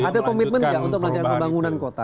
ada komitmen untuk melancarkan pembangunan kota